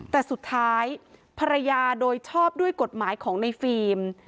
แต่สุดท้ายภรรยาโดยชอบด้วยกฎหมายของในฟิล์ม